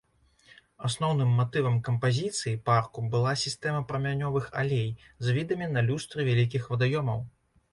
Асноўным матывам кампазіцыі парку была сістэма прамянёвых алей з відамі на люстры вялікіх вадаёмаў.